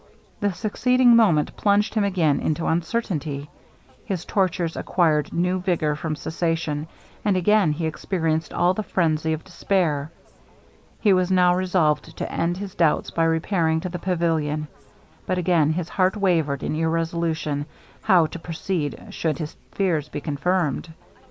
The succeeding moment plunged him again into uncertainty; his tortures acquired new vigour from cessation, and again he experienced all the phrenzy of despair. He was now resolved to end his doubts by repairing to the pavilion; but again his heart wavered in irresolution how to proceed should his fears be confirmed.